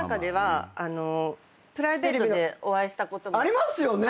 ありますよね